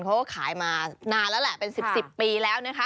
เขาก็ขายมานานแล้วแหละเป็น๑๐ปีแล้ว